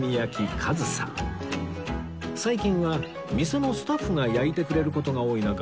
最近は店のスタッフが焼いてくれる事が多い中